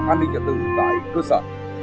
an ninh nhà tử tại cơ sở